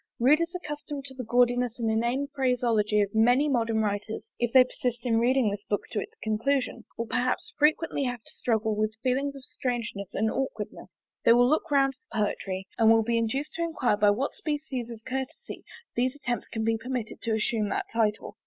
Readers accustomed to the gaudiness and inane phraseology of many modern writers, if they persist in reading this book to its conclusion, will perhaps frequently have to struggle with feelings of strangeness and aukwardness: they will look round for poetry, and will be induced to enquire by what species of courtesy these attempts can be permitted to assume that title.